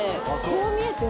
こう見えて。